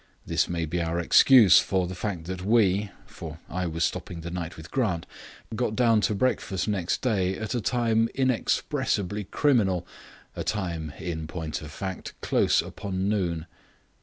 This may be our excuse for the fact that we (for I was stopping the night with Grant) got down to breakfast next day at a time inexpressibly criminal, a time, in point of fact, close upon noon.